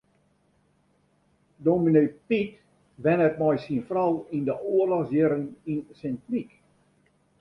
Dominee Pyt wennet mei syn frou yn de oarlochsjierren yn Sint Nyk.